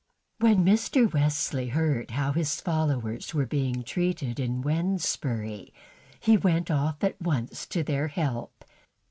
WHEN Mr. Wesley heard how his followers were being treated in Wednesbury, he went off at once to their help.